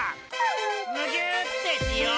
むぎゅーってしよう！